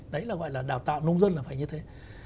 đấy là gọi là đào tạo nông dân là phải như thế